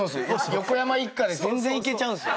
横山一家で全然いけちゃうんすよ。